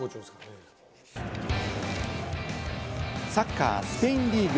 サッカースペインリーグ。